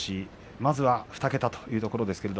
まずは２桁というところです。